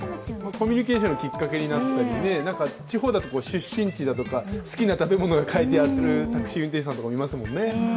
コミュニケーションのきっかけになったり、地方だと出身地だとか好きな食べ物が書いてあるタクシー運転手さんもいますもんね。